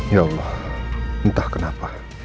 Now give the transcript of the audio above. ya allah entah kenapa